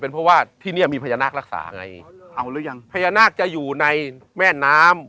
เพราะว่าที่นี่มีพญานาครักษาไงเอาหรือยังพญานาคจะอยู่ในแม่น้ำ